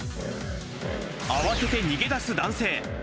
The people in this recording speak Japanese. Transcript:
慌てて逃げ出す男性。